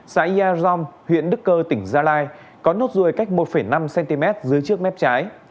xã yà rom huyện đức cơ tỉnh gia lai có nốt ruồi cách một năm cm dưới trước mép trái